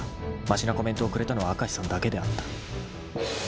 ［ましなコメントをくれたのは明石さんだけであった］